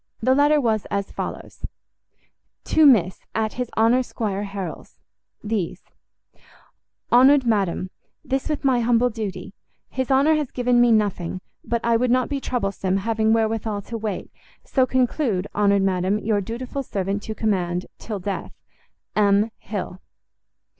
The letter was as follows: To Miss, at his Honour Squire Harrel's These: Honoured Madam, This with my humble duty. His Honour has given me nothing. But I would not be troublesome, having wherewithal to wait, so conclude, Honoured Madam, your dutiful servant to command, till death, M. HILL.